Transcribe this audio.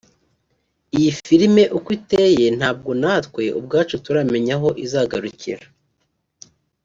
Iyi film uko iteye ntabwo natwe ubwacu turamenya aho izagarukira